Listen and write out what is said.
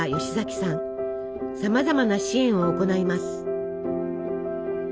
さまざまな支援を行います。